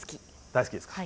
大好きですか。